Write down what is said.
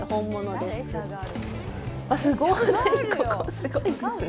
すごいですね。